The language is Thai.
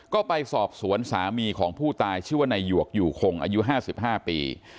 ก็ไปสอบสวนสามีของผู้ตายชื่อว่านายหวกอยู่คงอายุ๕๕ปี